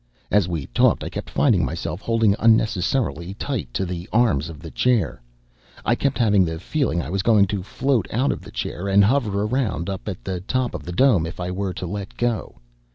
As we talked, I kept finding myself holding unnecessarily tight to the arms of the chair. I kept having the feeling I was going to float out of the chair and hover around up at the top of the dome if I were to let go.